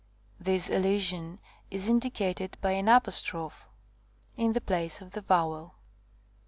This elision is indicated by an apostrophe in the place of the vowel.